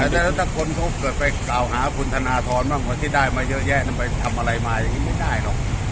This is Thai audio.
แต่ถ้าคนเขาเกิดไปกล่าวหาคุณธนทรบ้างว่าที่ได้มาเยอะแยะนั้นไปทำอะไรมาอย่างนี้ไม่ได้หรอก